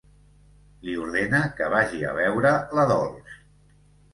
Li ordena que vagi a veure la Dols.